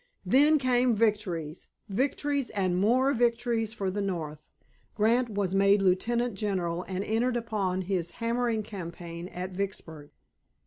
Then came victories, victories, and more victories for the North. Grant was made Lieutenant General and entered upon his "hammering campaign" at Vicksburg.